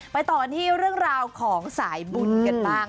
ไปต่อที่เรื่องของราวสายบุญเกิดปั้ง